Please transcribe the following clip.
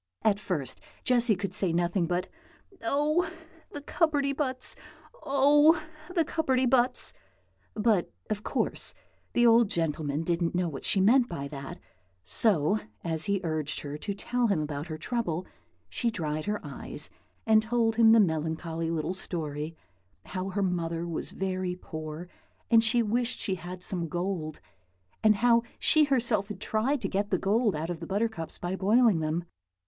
At first, Jessy could say nothing but "Oh! the cupperty buts! oh! the cupperty buts!" but, of course, the old gentleman didn't know what she meant by that, so, as he urged her to tell him about her trouble, she dried her eyes, and told him the melancholy little story: how her mother was very poor, and said she wished she had some gold; and how she herself had tried to get the gold out of the buttercups by boiling them.